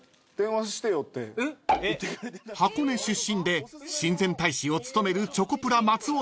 ［箱根出身で親善大使を務めるチョコプラ松尾さん］